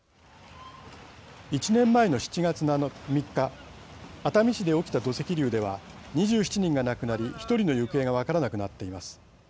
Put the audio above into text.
１年前の７月３日熱海市で起きた土石流では２７人が亡くなり１人の行方が分からなくなっています。